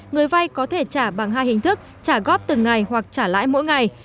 người vay có thể trả bằng hai hình thức trả góp từng ngày hoặc trả lãi mỗi ngày